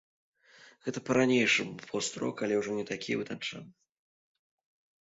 Гэта па-ранейшаму пост-рок, але, ўжо не такі вытанчаны.